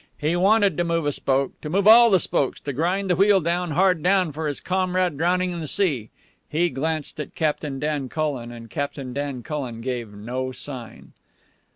He wanted to move a spoke, to move all the spokes, to grind the wheel down, hard down, for his comrade drowning in the sea. He glanced at Captain Dan Cullen, and Captain Dan Cullen gave no sign.